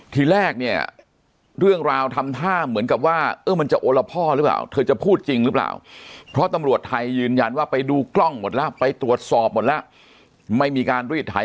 ทีแรกเนี่ยเรื่องราวทำท่าเหมือนกับว่าเออมันจะโอละพ่อหรือเปล่าเธอจะพูดจริงหรือเปล่าเพราะตำรวจไทยยืนยันว่าไปดูกล้องหมดแล้วไปตรวจสอบหมดแล้วไม่มีการรีดไถ